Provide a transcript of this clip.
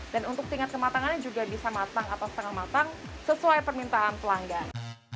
dan untuk tingkat kematangannya juga bisa matang atau setengah matang sesuai permintaan pelanggan